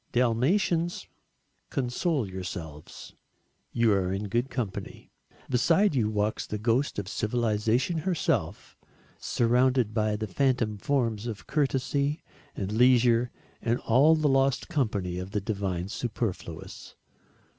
Dalmatians, console yourselves, you are in good company. Beside you walks the ghost of civilisation herself surrounded by the phantom forms of courtesy and leisure and all the lost company of the divine superfluous.